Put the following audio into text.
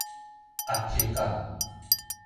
壓迫感